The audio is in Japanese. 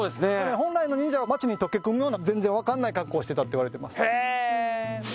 本来の忍者は街にとけこむような分かんない格好してたっていわれてます。